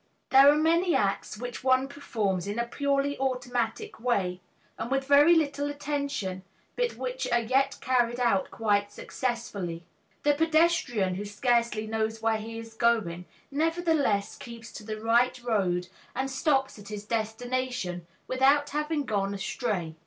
There are many acts which one performs in a purely automatic way and with very little attention, but which are yet carried out quite successfully. The pedestrian who scarcely knows where he is going, nevertheless keeps to the right road and stops at his destination without having gone astray.